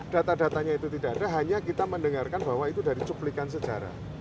data datanya itu tidak ada hanya kita mendengarkan bahwa itu dari cuplikan sejarah